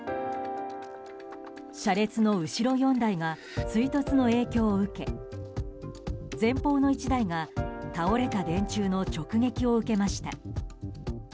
車列の後ろ４台は追突の影響を受け前方の１台が倒れた電柱の直撃を受けました。